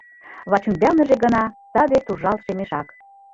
Вачӱмбалныже гына саде туржалтше мешак.